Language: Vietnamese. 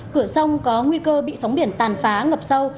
cửa sông có nguy cơ bị sóng biển tàn phá ngập sâu